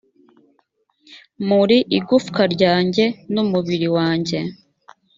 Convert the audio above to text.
muri igufwa ryanjye n umubiri wanjye